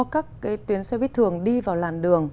các tuyến xe bíp thường đi vào làn đường